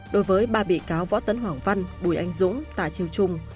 đối với ba bị cáo võ tấn hoàng văn bùi anh dũng tạ chiêu trung